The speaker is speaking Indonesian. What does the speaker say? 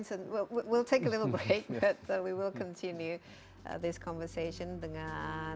dan juga pemerintah nasional